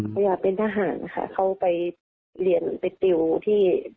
เขาอยากเป็นทหารค่ะเขาไปเรียนไปติวที่